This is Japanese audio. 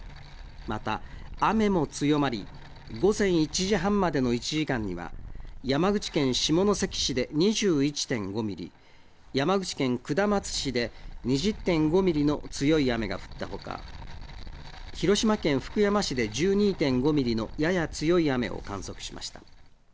また雨も強まり、午前１時半までの１時間には、山口県下関市で２１．５ミリ、山口県下松市で２０．５ミリの強い雨が降ったほか、広島県福山市で１２．５ミリのやや強い雨を観測しました。